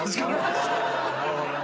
なるほどね。